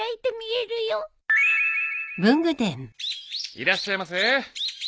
いらっしゃいませ。